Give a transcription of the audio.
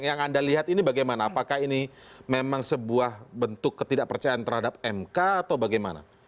yang anda lihat ini bagaimana apakah ini memang sebuah bentuk ketidakpercayaan terhadap mk atau bagaimana